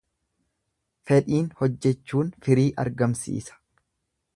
Fedhiin hojjechuun firii argamsiisa.